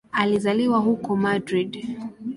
Alizaliwa huko Madrid.